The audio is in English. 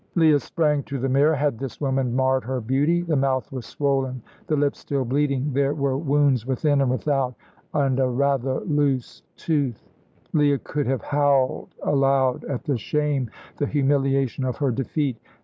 Leah sprang to the mirror. Had this woman marred her beauty? The mouth was swollen, the lips still bleeding; there were wounds within and without, and a rather loose tooth. Leah could have howled aloud at the shame, the humiliation of her defeat.